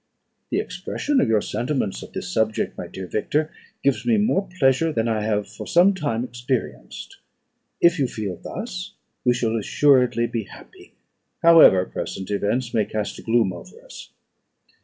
"The expression of your sentiments of this subject, my dear Victor, gives me more pleasure than I have for some time experienced. If you feel thus, we shall assuredly be happy, however present events may cast a gloom over us.